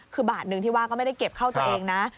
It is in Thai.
คือบาทหนึ่งที่ว่าก็ไม่ได้เก็บเข้าตัวเองนะ